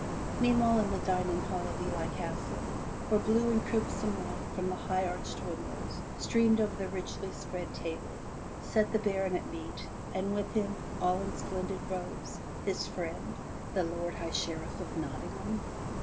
Meantime in the dining hall of Ely Castle, where blue and crimson light from the high arched windows streamed over the richly spread table, sat the baron at meat, and with him, all in splendid robes, his friend, the Lord High Sheriff of Nottingham.